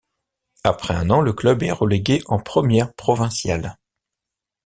Après un an, le club est relégué en première provinciale.